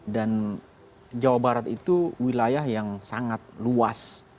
dan jawa barat itu wilayah yang sangat luas